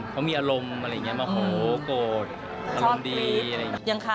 ไปข้างหลังก็เหอะค่ะ